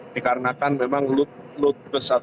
dikarenakan memang load besar